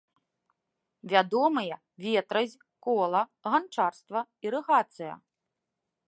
Вядомыя ветразь, кола, ганчарства, ірыгацыя.